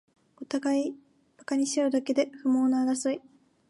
おたがいバカにしあうだけで不毛な争い